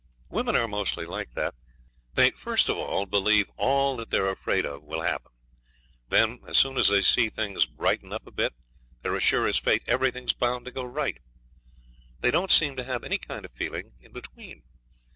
Women are mostly like that. They first of all believe all that they're afraid of will happen. Then, as soon as they see things brighten up a bit, they're as sure as fate everything's bound to go right. They don't seem to have any kind of feeling between.